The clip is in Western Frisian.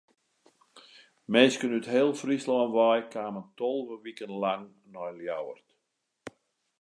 Minsken út heel Fryslân wei kamen tolve wiken lang nei Ljouwert.